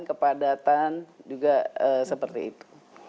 kemudian kendaraan kepadatan juga seperti itu